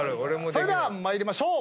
それでは参りましょう。